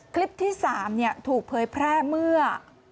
คลิปที่๓ถูกเผยแพร่เมื่อ